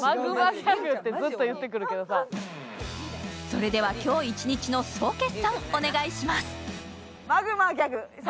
それでは、今日一日の総決算、お願いします。